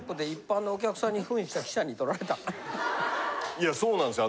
いやそうなんですよ。